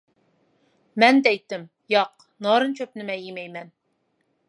مەن دەيتتىم:-ياق، نارىن چۆپنى مەن يېمەيمەن.